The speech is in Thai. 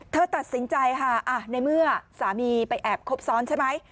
ตัดสินใจค่ะในเมื่อสามีไปแอบครบซ้อนใช่ไหม